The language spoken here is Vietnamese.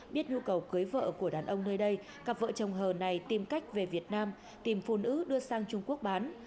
biết nhu cầu cưới vợ của đàn ông nơi đây cặp vợ chồng hờ này tìm cách về việt nam tìm phụ nữ đưa sang trung quốc bán